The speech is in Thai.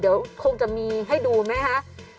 เดี๋ยวคงจะมีให้ดูไหมคะ